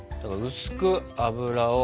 薄く油を。